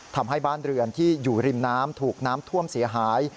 ทำให้บ้านเรือนที่อยู่ริมน้ำถูกน้ำท่วมเสียหาย